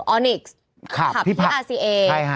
ออนิกส์ขับที่อาร์เซีย